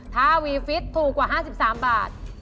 ถ้าวีฟิตถูกกว่า๕๓บาท